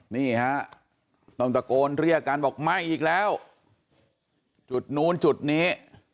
นี่ฮะต้องตะโกนเรียกกันบอกไม่อีกแล้วจุดนู้นจุดนี้